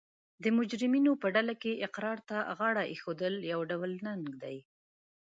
د مجرمینو په ډله کې اقرار ته غاړه ایښول یو ډول ننګ دی